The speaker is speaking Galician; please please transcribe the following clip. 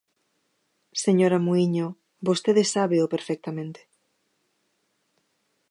Señora Muíño, vostede sábeo perfectamente.